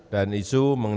dan isu mengenai peraturan